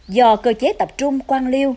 do cơ chế tập trung quan liêu